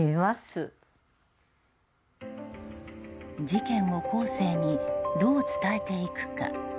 事件を後世にどう伝えていくか。